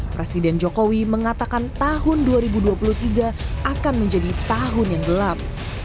presiden jokowi mengatakan tahun dua ribu dua puluh tiga akan menjadi tahun yang gelap